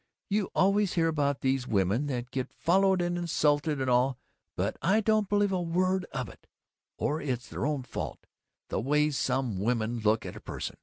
You always hear about these women that get followed and insulted and all, but I don't believe a word of it, or it's their own fault, the way some women look at a person.